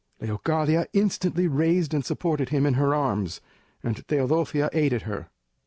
Leocadia instantly raised and supported him in her arms, and Teodosia aided her.